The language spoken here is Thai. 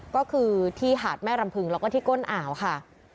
ก็คือที่หาดแม่รำพึงแล้วก็ที่ก้นอ่าวค่ะ